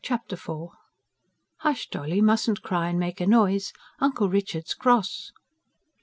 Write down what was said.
Chapter IV Hush, dolly! Mustn't cry, and make a noise. Uncle Richard's cross.